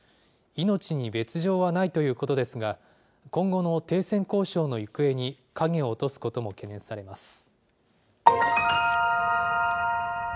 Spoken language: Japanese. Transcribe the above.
命に別状はないということですが、今後の停戦交渉の行方に影を落とすことも懸念されます。